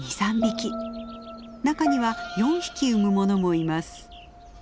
中には４匹産むものもいます。